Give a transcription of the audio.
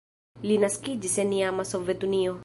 Li naskiĝis en iama Sovetunio.